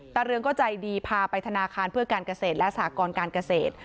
เรืองก็ใจดีพาไปธนาคารเพื่อการเกษตรและสหกรการเกษตร